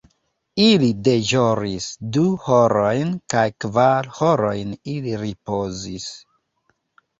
Ili deĵoris du horojn kaj kvar horojn ili ripozis.